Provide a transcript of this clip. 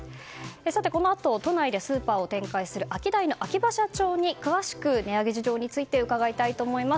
さて、このあと都内でスーパーを展開するアキダイの秋葉社長に詳しく値上げ事情について伺います。